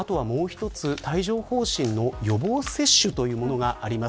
あともう一つ、帯状疱疹の予防接種というものがあります。